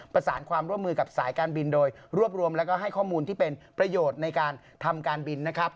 ประสานความร่วมมือกับสายการบินโดยรวบรวมแล้วก็ให้ข้อมูลที่เป็นประโยชน์ในการทำการบินนะครับ